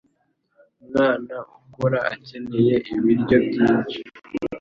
Umwana ukura akenera ibiryo byinshi.